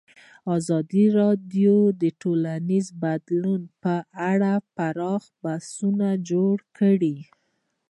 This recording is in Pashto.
ازادي راډیو د ټولنیز بدلون په اړه پراخ بحثونه جوړ کړي.